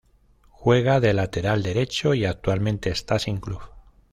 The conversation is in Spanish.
Juega de lateral derecho, y actualmente está sin club.